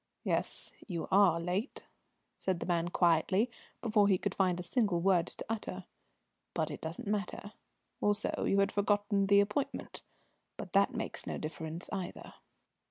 "Yes, you are late," said the man quietly, before he could find a single word to utter. "But it doesn't matter. Also, you had forgotten the appointment, but that makes no difference either."